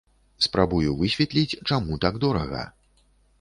Спрабую высветліць, чаму так дорага?